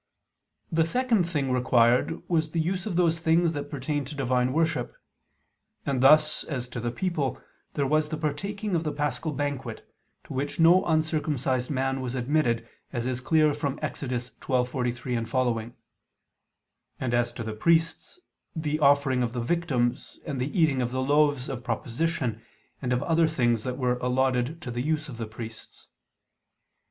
The second thing required was the use of those things that pertain to divine worship. And thus, as to the people, there was the partaking of the paschal banquet, to which no uncircumcised man was admitted, as is clear from Ex. 12:43, seqq.: and, as to the priests, the offering of the victims, and the eating of the loaves of proposition and of other things that were allotted to the use of the priests.